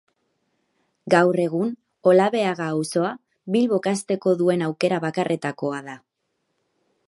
Gaur egun, Olabeaga auzoa, Bilbok hazteko duen aukera bakarretakoa da.